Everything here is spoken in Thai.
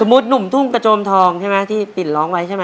มุติหนุ่มทุ่งกระโจมทองใช่ไหมที่ปิ่นร้องไว้ใช่ไหม